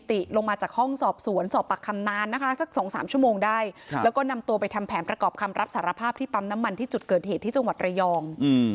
ที่ปั๊มน้ำมันที่จุดเกิดเหตุที่จังหวัดระยองอืม